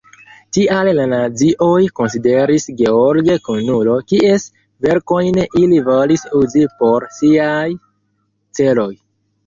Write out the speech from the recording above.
Tial la nazioj konsideris George kunulo, kies verkojn ili volis uzi por siaj celoj.